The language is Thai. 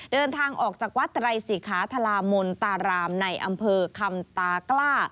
เดินทางออกจากวัดไตรศิขาธลามนตารามในอำเภอคำตากล้า